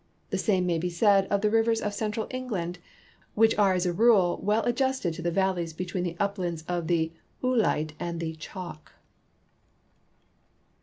The same may be said of the rivers of central England, Avhich are as a rule Avell adjusted to the val leys betAveen the uplands of the oolite and the chalk.